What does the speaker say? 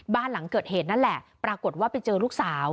บ้านหลังเกิดเหตุนั่นแหละปรากฏว่าไปเจอลูกสาว